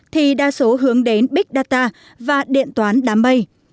thì đa số hướng đến big data và điện toán đám mây